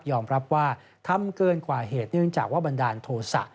รับว่าทำเกินกว่าเหตุเนื่องจากว่าบันดาลโทษะ